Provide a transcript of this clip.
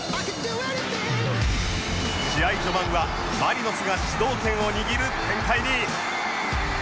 試合序盤はマリノスが主導権を握る展開に！